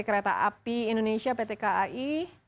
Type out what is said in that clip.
kereta api indonesia pt kai